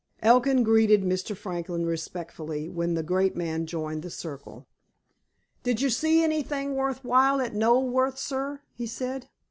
Elkin greeted Mr. Franklin respectfully when the great man joined the circle. "Did you see anything worth while at Knoleworth, sir?" he said.